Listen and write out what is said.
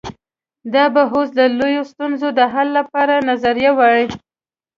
دا به اوس د لویو ستونزو د حل لپاره نظریه وای.